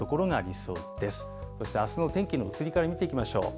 そしてあすの天気の移り変わり見ていきましょう。